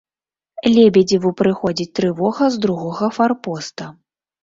Лебедзеву прыходзіць трывога з другога фарпоста.